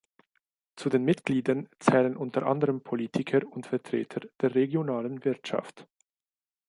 Zu den Mitgliedern zählen unter anderem Politiker und Vertreter der regionalen Wirtschaft.